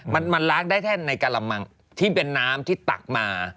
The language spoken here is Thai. มันล้างได้แค่ในกะละมังที่เป็นน้ำที่ตักมา